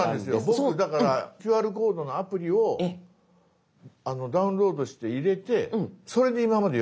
僕だからＱＲコードのアプリをダウンロードして入れてそれで今まで読み取ってたんですよ。